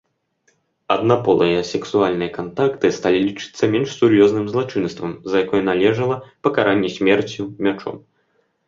Аднаполыя сексуальныя кантакты сталі лічыцца менш сур'ёзным злачынствам, за якое належыла пакаранне смерцю мячом.